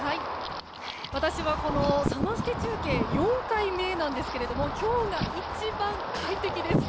私はこのサマステ中継４回目なんですけれども今日が一番快適です。